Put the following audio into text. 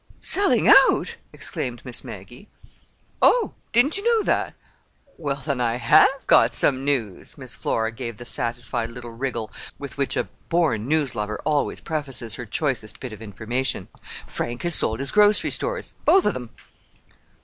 "Selling out!" exclaimed Miss Maggie. "Oh, didn't you know that? Well, then I have got some news!" Miss Flora gave the satisfied little wriggle with which a born news lover always prefaces her choicest bit of information. "Frank has sold his grocery stores—both of 'em."